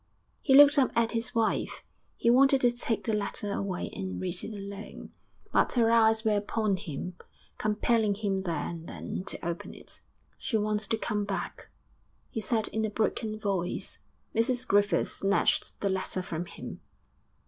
He looked up at his wife; he wanted to take the letter away and read it alone, but her eyes were upon him, compelling him there and then to open it. 'She wants to come back,' he said in a broken voice. Mrs Griffith snatched the letter from him.